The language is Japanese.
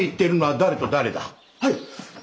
はい。